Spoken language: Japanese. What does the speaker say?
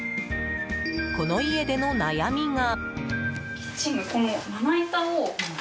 この家での悩みが。